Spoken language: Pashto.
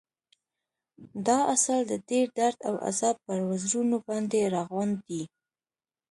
دا عسل د ډېر درد او عذاب پر وزرونو باندې راغونډ دی.